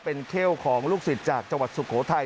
เป็นเข้วของลูกศิษย์จากจังหวัดสุโขทัย